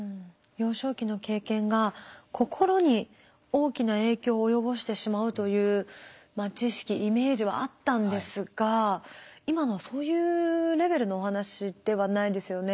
幼少期の経験が心に大きな影響を及ぼしてしまうという知識イメージはあったんですが今のはそういうレベルのお話ではないですよね。